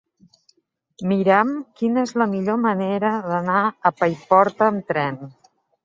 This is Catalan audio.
Mira'm quina és la millor manera d'anar a Paiporta amb tren.